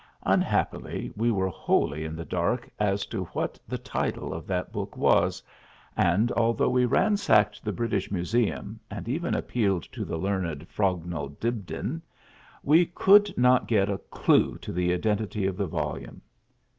Unhappily we were wholly in the dark as to what the title of that book was, and, although we ransacked the British Museum and even appealed to the learned Frognall Dibdin, we could not get a clew to the identity of the volume.